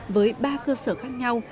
với ba cơ sở khác nhau